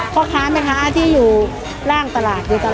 พ่อค้าเมื่อค้าที่อยู่ล่างตลาด